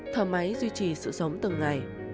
thầm ấy duy trì sự sống từng ngày